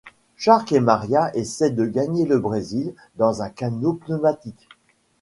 Chark et Maria essaient de gagner le Brésil dans un canot pneumatique.